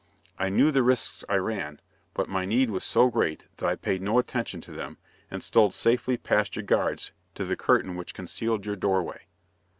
I knew the risks I ran, but my need was so great that I paid no attention to them, and stole safely past your guards, to the curtain which concealed your doorway.